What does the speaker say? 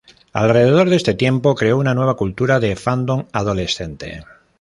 Alrededor de este tiempo, creó una nueva cultura de fandom adolescente.